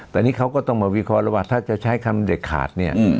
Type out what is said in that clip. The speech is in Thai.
แต่นี่เขาก็ต้องมาวิเคราะห์แล้วว่าถ้าจะใช้คำเด็ดขาดเนี่ย